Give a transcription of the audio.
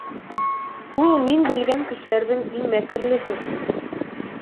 Ул мин белгән кешеләрҙең иң мәкерлеһе.